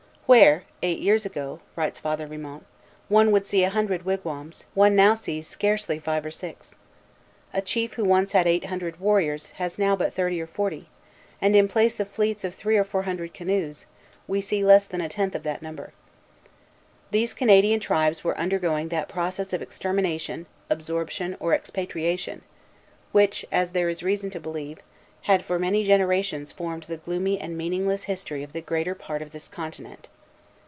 "Where, eight years ago," writes Father Vimont, "one would see a hundred wigwams, one now sees scarcely five or six. A chief who once had eight hundred warriors has now but thirty or forty; and in place of fleets of three or four hundred canoes, we see less than a tenth of that number." Relation, 1644, 3. These Canadian tribes were undergoing that process of extermination, absorption, or expatriation, which, as there is reason to believe, had for many generations formed the gloomy and meaningless history of the greater part of this continent.